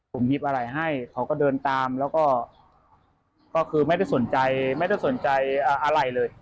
ผมหยิบอะไรให้เขาก็เดินตามแล้วก็คือไม่ได้สนใจไม่ได้สนใจอะไรเลย